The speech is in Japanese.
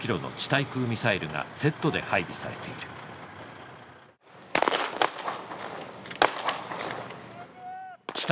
対空ミサイルがセットで配備されている地